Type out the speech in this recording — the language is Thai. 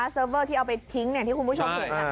เซอร์เฟอร์ที่เอาไปทิ้งที่คุณผู้ชมถึง